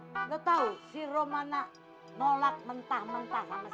gak tau si rumana nolak mentah mentah sama si robi